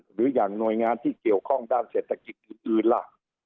หรืออย่างหน่วยงานที่เกี่ยวข้องด้านเศรษฐกิจอื่นล่ะ